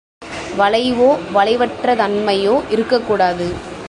வளைவோ, வலிவற்றதன்மையோ இருக்கக் கூடாது.